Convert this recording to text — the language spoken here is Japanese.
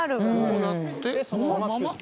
こうやってそのまま。